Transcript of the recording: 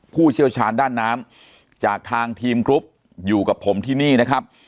ผู้เชี่ยวชาญด้านน้ำจากทางทีมกรุ๊ปอยู่กับผมที่นี่นะครับ